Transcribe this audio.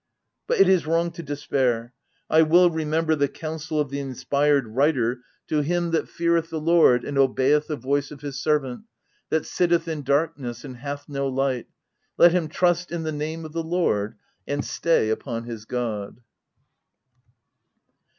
But it is wrong to despair ; I will remember the counsel of the inspired writer to him "that OF W1LDFELL HALL. 341 feareth the Lord and obeyeth the voice of his servant, that sitteth in darkness and hath no light /— let him trust in the name of the Lord, and stay upon his God